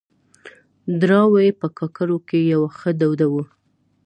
دراوۍ په کاکړو کې يو ښه دود وه.